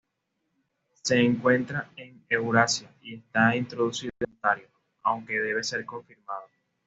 Se encuentra en Eurasia y está introducido en Ontario, aunque debe ser confirmado.